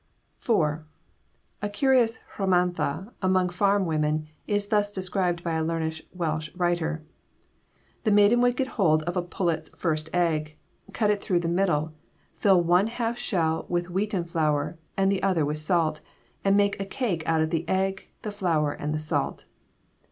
IV. A curious rhamanta among farm women is thus described by a learned Welsh writer: The maiden would get hold of a pullet's first egg, cut it through the middle, fill one half shell with wheaten flour and the other with salt, and make a cake out of the egg, the flour, and the salt.